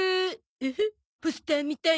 ウフポスター見たい？